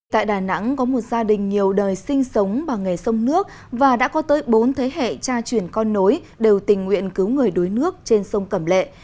tại đà nẵng có một gia đình nhiều đời sinh sống bằng nghề sông nước và đã có tới bốn thế hệ cha truyền con nối đều tình nguyện cứu người đuối nước trên sông cẩm lệ